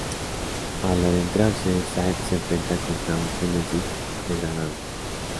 Al adentrarse, Zack se enfrenta contra un Genesis degradado.